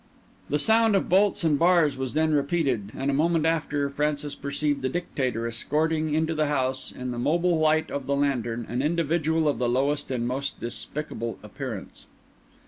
The sound of bolts and bars was then repeated; and a moment after Francis perceived the Dictator escorting into the house, in the mobile light of the lantern, an individual of the lowest and most despicable appearance.